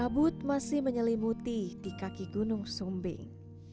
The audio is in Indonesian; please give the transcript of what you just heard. kabut masih menyelimuti di kaki gunung sumbing